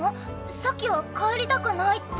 さっきは帰りたくないって。